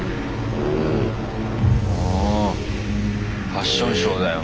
ファッションショーだよ